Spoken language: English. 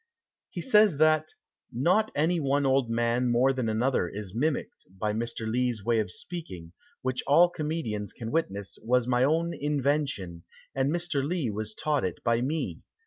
He says, that "Not any one old man more than another is mimiqued, by Mr. Lee's way of speaking, which all comedians can witness, was my own invention, and Mr. Lee was taught it by me.